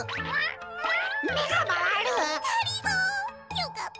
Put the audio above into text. よかった。